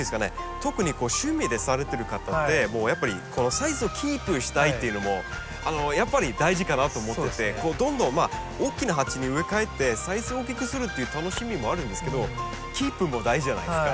特に趣味でされてる方ってやっぱりこのサイズをキープしたいっていうのもやっぱり大事かなと思っててどんどん大きな鉢に植え替えてサイズを大きくするっていう楽しみもあるんですけどキープも大事じゃないですか。